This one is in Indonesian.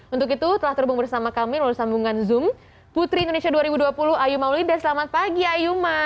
untuk itu telah terhubung bersama kami melalui sambungan zoom putri indonesia dua ribu dua puluh ayu mauli dan selamat pagi ayuma